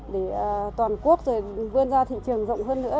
để toàn quốc rồi vươn ra thị trường rộng hơn nữa